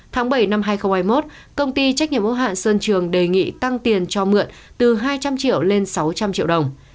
tháng bảy năm hai nghìn hai mươi một công ty trách nhiệm ô hạn sơn trường đề nghị tăng tiền cho mượn từ hai trăm linh triệu lên sáu trăm linh triệu đồng